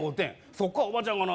そっからおばちゃんがな